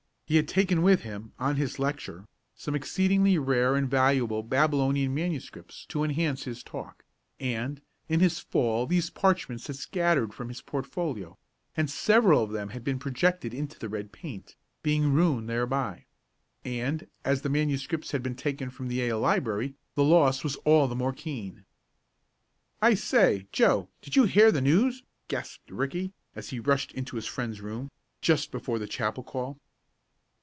He had taken with him, on his lecture, some exceedingly rare and valuable Babylonian manuscripts to enhance his talk, and, in his fall these parchments had scattered from his portfolio, and several of them had been projected into the red paint, being ruined thereby. And, as the manuscripts had been taken from the Yale library, the loss was all the more keen. "I say, Joe, did you hear the news?" gasped Ricky, as he rushed into his friend's room, just before the chapel call.